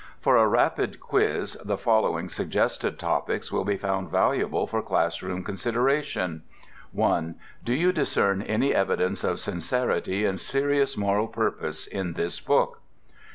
For a rapid quiz, the following suggested topics will be found valuable for classroom consideration: 1. Do you discern any evidences of sincerity and serious moral purpose in this book?